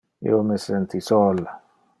Io me senti sol.